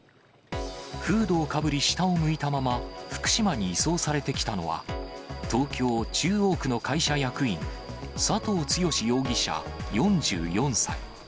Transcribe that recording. フードをかぶり下を向いたまま、福島に移送されてきたのは東京・中央区の会社役員、佐藤剛容疑者４４歳。